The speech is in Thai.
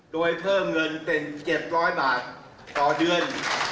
โดยเพิ่มเงินเป็น๗๐๐บาทต่อเดือน